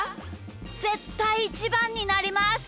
ぜったいイチバンになります！